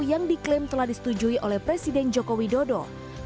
yang diklaim telah disetujui oleh presiden jokowi dodo